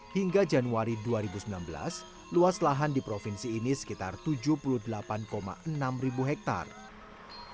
hingga januari dua ribu sembilan belas luas lahan di provinsi ini sekitar tujuh puluh delapan enam ribu hektare